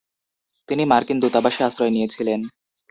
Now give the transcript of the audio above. তিনি মার্কিন দূতাবাসে আশ্রয় নিয়েছিলেন।